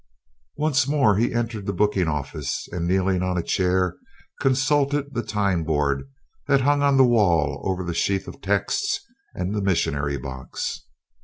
Once more he entered the booking office and, kneeling on a chair, consulted the time board that hung on the wall over the sheaf of texts and the missionary box.